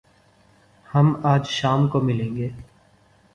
ہم آج شام کو ملیں گے